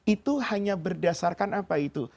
itu hanya berdasarkan apa itu